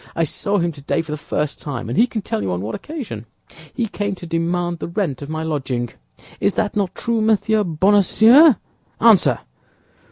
I saw him today for the first time, and he can tell you on what occasion; he came to demand the rent of my lodging. Is that not true, Monsieur Bonacieux? Answer!"